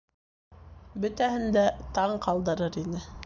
Бөтәһен дә таң ҡалдырыр ине.